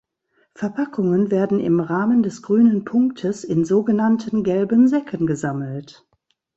Verpackungen werden im Rahmen des Grünen Punktes in sogenannten gelben Säcken gesammelt.